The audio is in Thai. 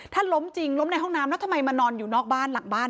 ถ้าล้มจริงล้มในห้องน้ำแล้วทำไมมานอนอยู่นอกบ้านหลังบ้าน